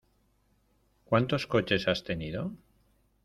¿Cuántos coches has tenido?